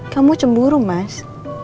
kamu cemburu mas